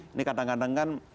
ini kadang kadang kan